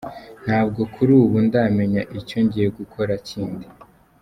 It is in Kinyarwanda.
"Ntabwo kuri ubu ndamenya icyo ngiye gukora kindi.